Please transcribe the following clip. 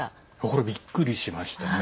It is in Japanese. これ、びっくりしましたね。